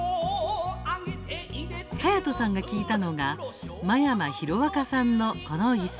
隼人さんが聴いたのが真山広若さんの、この一席。